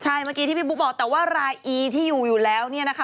ใช่เมื่อกี้ที่พี่บุ๊คบอกแต่ว่ารายอีที่อยู่อยู่แล้วเนี่ยนะคะ